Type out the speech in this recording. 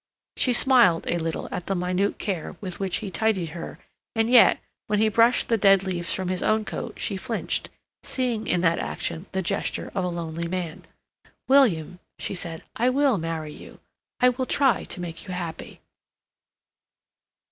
She smiled a little at the minute care with which he tidied her and yet, when he brushed the dead leaves from his own coat, she flinched, seeing in that action the gesture of a lonely man. "William," she said, "I will marry you. I will try to make you happy."